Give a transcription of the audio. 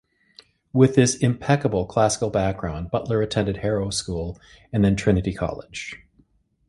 With this impeccable classical background, Butler attended Harrow School and then Trinity College.